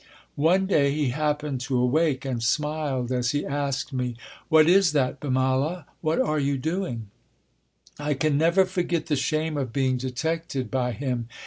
One day, he happened to awake, and smiled as he asked me: "What is that, Bimala? What __are__ you doing?" I can never forget the shame of being detected by him.